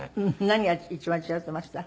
何が一番違っていました？